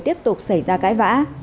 tiếp tục xảy ra cãi vã